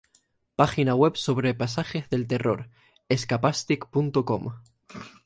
Página web sobre pasajes del terror escapastic.com